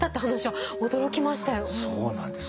そうなんです。